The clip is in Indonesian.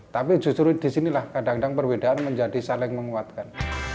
tapi justru disinilah kadang kadang perbedaan menjadi saling menguatkan